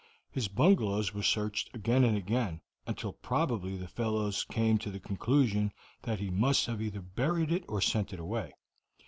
His bungalows were searched again and again, until probably the fellows came to the conclusion that he must have either buried it or sent it away.